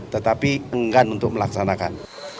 tetapi enggak untuk melaksanakan